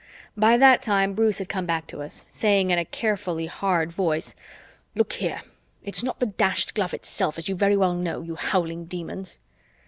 By that time, Bruce had come back to us, saying in a carefully hard voice, "Look here, it's not the dashed glove itself, as you very well know, you howling Demons."